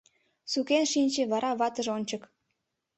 Сукен шинче вара ватыж ончык